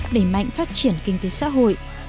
đẩy mạnh phát triển kinh tế xã hội